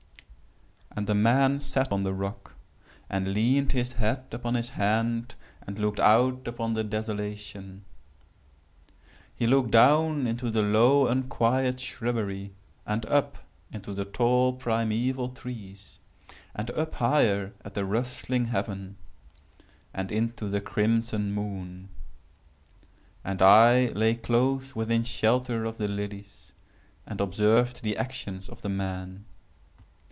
"And the man sat upon the rock, and leaned his head upon his hand, and looked out upon the desolation. He looked down into the low unquiet shrubbery, and up into the tall primeval trees, and up higher at the rustling heaven, and into the crimson moon. And I lay close within shelter of the lilies, and observed the actions of the man.